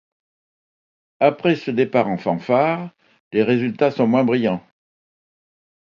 Après ce départ en fanfare, les résultats sont moins brillants.